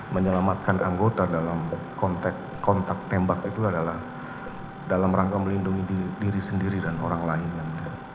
menyelamatkan anggota dalam kontak tembak itu adalah dalam rangka melindungi diri sendiri dan orang lain yang mulia